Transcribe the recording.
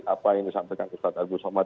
apa yang disampaikan ustadz abdul somad